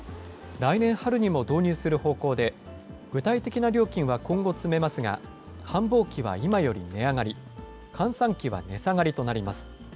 来年春にも導入する方向で、具体的な料金は今後詰めますが、繁忙期は今より値上がり、閑散期は値下がりとなります。